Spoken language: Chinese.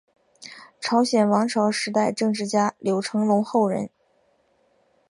朝鲜王朝时代政治家柳成龙后人。